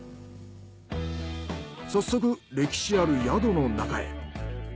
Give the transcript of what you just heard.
早速歴史ある宿の中へ。